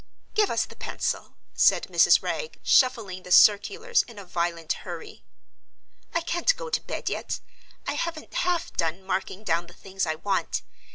"Give us the pencil," said Mrs. Wragge, shuffling the circulars in a violent hurry. "I can't go to bed yet—I haven't half done marking down the things I want.